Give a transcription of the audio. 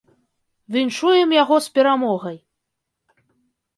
Віншуем яго з перамогай!